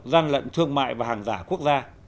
giang lận thương mại và hàng giả quốc gia